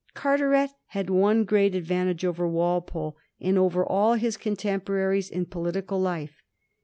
Carteret had one great advantage over Walpole and over all his contemporaries in political life.